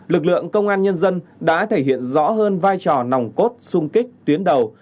lực lượng công an nhân dân đã thể hiện rõ hơn vai trò nòng cốt sung kích tuyến đầu